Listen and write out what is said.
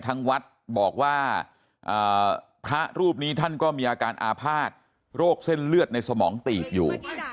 ทางวัดบอกว่าพระรูปนี้ท่านก็มีอาการอาภาษณ์โรคเส้นเลือดในสมองตีบอยู่